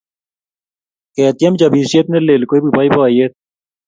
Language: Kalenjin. Ketiem chopisiet nelel koipu boiboiyet